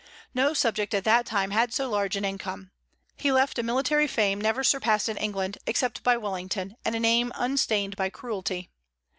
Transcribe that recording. No subject at that time had so large an income. He left a military fame never surpassed in England, except by Wellington, and a name unstained by cruelty.